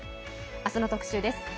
明日の特集です。